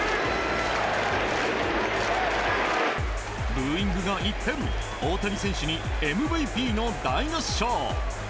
ブーイングが一変大谷選手にＭＶＰの大合唱。